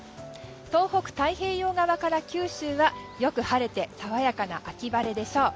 東北の太平洋側から九州はよく晴れて爽やかな秋晴れでしょう。